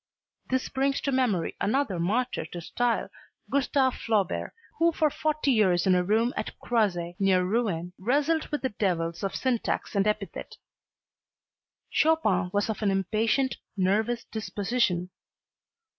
This brings to memory another martyr to style, Gustave Flaubert, who for forty years in a room at Croisset, near Rouen, wrestled with the devils of syntax and epithet. Chopin was of an impatient, nervous disposition.